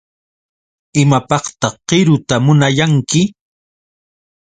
¿Imapaqtaq qiruta munayanki?